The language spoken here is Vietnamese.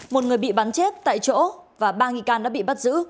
một người bị bắn chết tại chỗ và ba nghi can đã bị bắt giữ